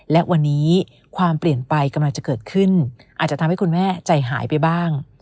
และวันนี้ความเปลี่ยนไปกำลังจะเกิดขึ้นอาจจะทำให้คุณแม่ใจหายไปบ้าง